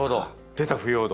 出た腐葉土。